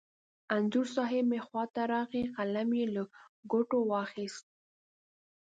انځور صاحب مې خوا ته راغی، قلم یې له ګوتو واخست.